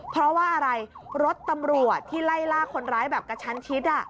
เพราะว่าอะไรรถตำรวจที่ไล่ล่าคนร้ายแบบกระชั้นชิด